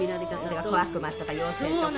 小悪魔とか妖精とかね。